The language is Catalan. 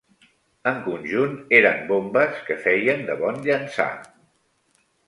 En conjunt, eren bombes que feien de bon llançar.